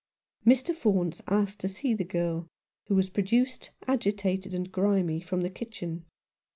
Mr. Faunce asked to see the girl, who was pro duced, agitated and grimy, from the kitchen.